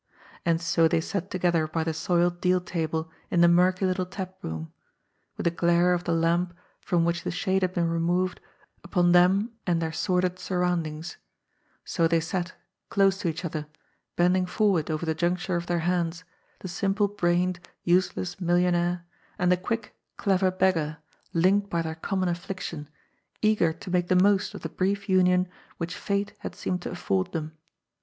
And so they sat together by the soiled deal table in the murky little tap room — ^with the glare of the lamp, from which the shade had been removed, upon them and their 264 OOD'S POOL. sordid sarroundings — so they sat, close to each other, bend ing forward over the juncture of their hands, the simple brained, useless millionaire, and the quick, clever beggar, linked by their common affliction, eager to make the most of the brief union which fate had seemed to afford them.